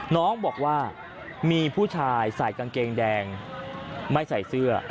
น้องบอกว่ามีผู้ชายใส่กางเกงแดงไม่ใส่เสื้อ